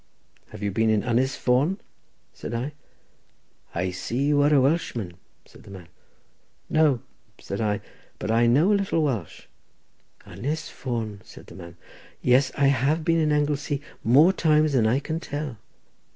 "Have you been in Ynys Fon?" said I. "I see you are a Welshman," said the man. "No," said I, "but I know a little Welsh." "Ynys Fon," said the man. "Yes, I have been in Anglesey more times than I can tell."